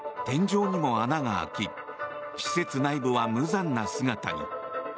天井にも穴が開き施設内部は無残な姿に。